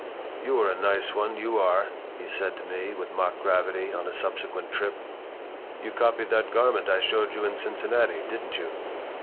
"You are a nice one, you are," he said to me, with mock gravity, on a subsequent trip. "You copied that garment I showed you in Cincinnati, didn't you?"